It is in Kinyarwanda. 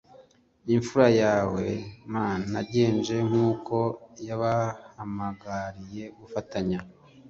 imfura yawe m nagenje nk uko yabahamagariye gufatanya